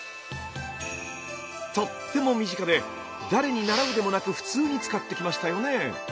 とっても身近で誰に習うでもなく普通に使ってきましたよね。